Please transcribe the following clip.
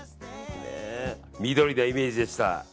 緑のイメージでした。